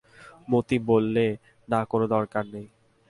মতি বলেল, না কোনো দরকার নেই!